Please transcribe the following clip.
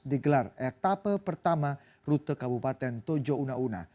digelar etapa pertama rute kabupaten tojo una una